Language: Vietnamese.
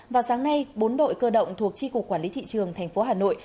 vào sáng nay bốn đội cơ động thuộc tri cục quản lý thị trường tp hà nội